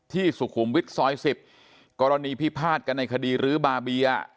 สุขุมวิทย์ซอย๑๐กรณีพิพาทกันในคดีรื้อบาเบีย